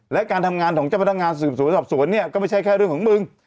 และการทำงานของเจ้าพนักงานสืบสวนสอบสวนเนี่ยก็ไม่ใช่แค่เรื่องของมึง